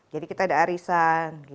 jadi kita ada arisan